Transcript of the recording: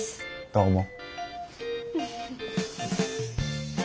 どうも。